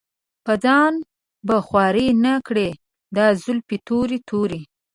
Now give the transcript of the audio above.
پۀ ځان به خوَرې نۀ کړې دا زلفې تورې تورې